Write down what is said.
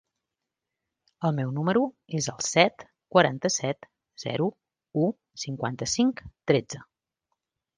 El meu número es el set, quaranta-set, zero, u, cinquanta-cinc, tretze.